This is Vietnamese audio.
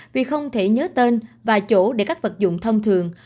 vì không thể nhớ tên và chỗ để các vật dụng thông thường